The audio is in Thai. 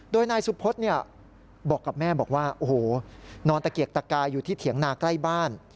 โดยนายสุพธบอกกับแม่บอกว่าโอ้โหนอนตะเกียกตะกายอยู่ที่เถียงนาใกล้บ้าน